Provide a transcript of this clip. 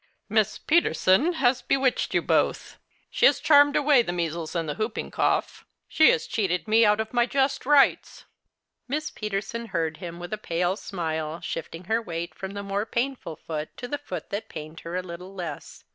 " Miss Peterson has bewitched you both. ^h.e has charmed away the measles and the whooping cough. 8he has cheated me out of my just rights." Miss Peterson heard him with a pale smile, shifting her weight from the more painful foot to the foot that pained her a little less.